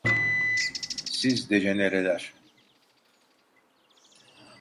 Siz dejenereler!